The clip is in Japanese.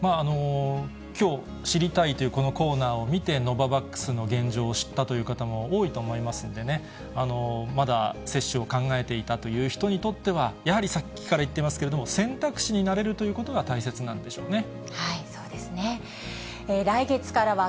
きょう、知りたいッ！というこのコーナーを見て、ノババックスの現状を知ったという方も多いと思いますんでね、まだ接種を考えていたという人にとっては、やはりさっきから言ってますけれども、選択肢になれるということが大切なんでしょうね。